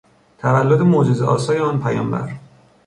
تولد معجزهآسای آن پیامبر